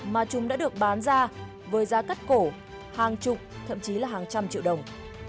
mà chúng đã được bán ra với giá cắt cổ hàng chục thậm chí là hàng trăm triệu đồng